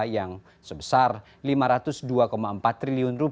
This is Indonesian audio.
yang sebesar rp lima ratus dua empat triliun